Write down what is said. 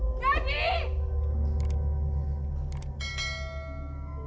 nadi kamu sampai ini